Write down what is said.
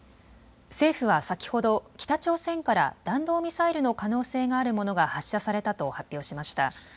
政府は先ほど北朝鮮から弾道ミサイルの可能性があるものが発射されたと発表しました。